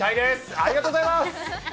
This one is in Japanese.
ありがとうございます。